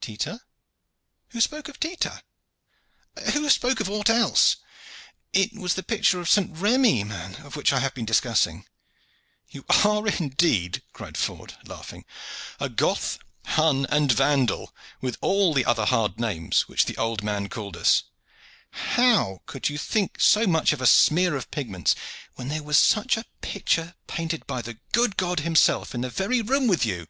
"Tita! Who spoke of Tita?" "Who spoke of aught else?" "It was the picture of St. Remi, man, of which I have been discoursing." "You are indeed," cried Ford, laughing, "a Goth, Hun, and Vandal, with all the other hard names which the old man called us. How could you think so much of a smear of pigments, when there was such a picture painted by the good God himself in the very room with you?